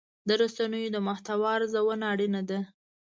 د رسنیو د محتوا ارزونه اړینه ده.